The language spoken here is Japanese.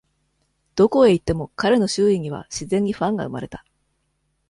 どこへ行っても、彼の周囲には、自然にファンが生まれた。